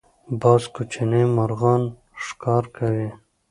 باز کوچني مرغان ښکار کوي